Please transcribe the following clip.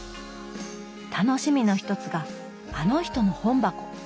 楽しみの一つが「あの人の本箱」。